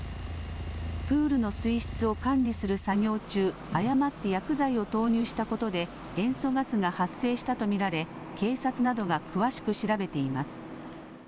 プールの水質を管理する作業中誤って薬剤を投入したことで塩素ガスが発生したと見られ警察などが詳しく調べています。